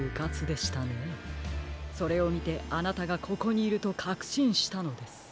それをみてあなたがここにいるとかくしんしたのです。